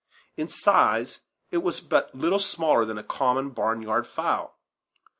In size, it was but little smaller than a common barn yard fowl.